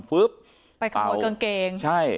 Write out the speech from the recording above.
ไปขโมยกางเกงใช่